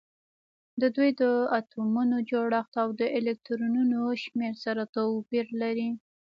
د دوی د اتومونو جوړښت او د الکترونونو شمیر سره توپیر لري